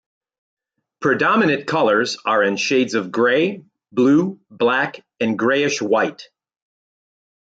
Predominant colors are in shades of grey, blue, black, and greyish white.